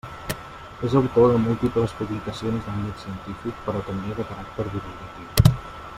És autor de múltiples publicacions d'àmbit científic però també de caràcter divulgatiu.